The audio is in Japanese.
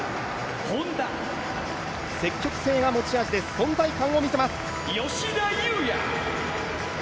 積極性が持ち味です、存在感を見せます。